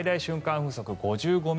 風速は５５ｍ。